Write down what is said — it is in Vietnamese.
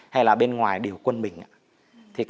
hay là bên ngoài